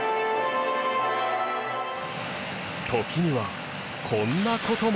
時にはこんな事も。